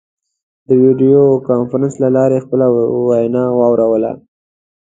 د ویډیو کنفرانس له لارې خپله وینا واوروله.